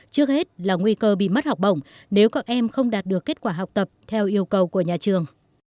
trước hết là nguy cơ bị mất học bổng nếu các em không đạt được kết quả học tập theo yêu cầu của nhà trường